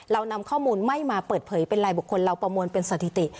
เรานำข้อมูลไม่มาเปิดเผยเป็นลายบุคคลเราประมวลเป็นสถิติ